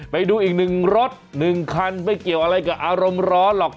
ไปดูอีกหนึ่งรถ๑คันไม่เกี่ยวอะไรกับอารมณ์ร้อนหรอก